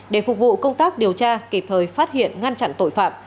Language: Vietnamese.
để phục vụ công tác điều tra kịp thời phát hiện ngăn chặn tội phạm